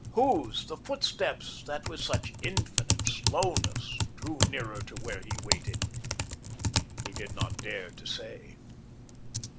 Whose the footsteps that with such infinite slowness drew nearer to where he waited? He did not dare to say.